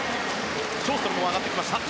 ショーストロムも上がってきました。